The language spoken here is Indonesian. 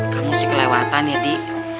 kamu sih kelewatan ya di